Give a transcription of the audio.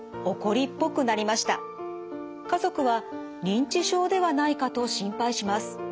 家族は認知症ではないかと心配します。